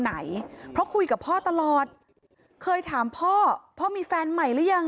ไหนเพราะคุยกับพ่อตลอดเคยถามพ่อพ่อมีแฟนใหม่หรือยัง